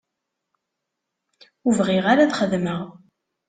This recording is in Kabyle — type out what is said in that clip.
Ur bɣiɣ ara ad xedmeɣ.